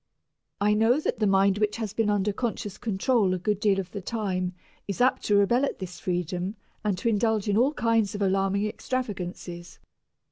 I know that the mind which has been under conscious control a good deal of the time is apt to rebel at this freedom and to indulge in all kinds of alarming extravagances.